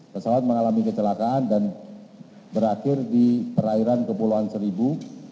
pesawat mengalami kecelakaan dan berakhir di perairan kepulauan seribu